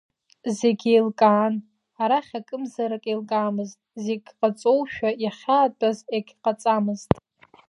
Зегь еилкаан, арахь акымзарак еилкаамызт, зегь ҟаҵоушәа иахьаатәаз егьҟаҵамызт.